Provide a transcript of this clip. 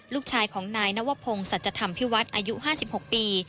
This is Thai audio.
ลูกชายของนายนวพงศ์สัจธรรมพิวัฒน์อายุ๕๖ปี